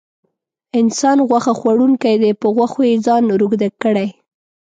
انسان غوښه خوړونکی دی په غوښو یې ځان روږدی کړی.